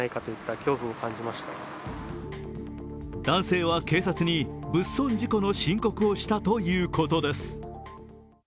男性は警察に物損事故の申告をしたということです。